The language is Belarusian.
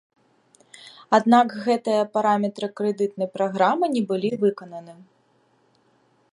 Аднак гэтыя параметры крэдытнай праграмы не былі выкананы.